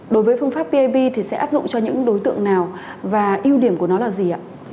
đối với phương pháp piv thì sẽ áp dụng cho những đối tượng nào và ưu điểm của nó là gì ạ